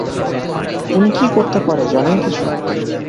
উনি কী করতে পারে জানেন কিছু?